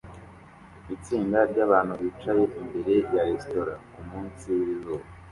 Itsinda ryabantu bicaye imbere ya resitora kumunsi wizuba